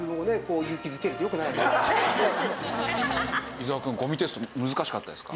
伊沢くん五味テスト難しかったですか？